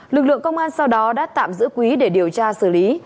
lực lượng công an sau đó đã tạm giữ quý để điều tra xử lý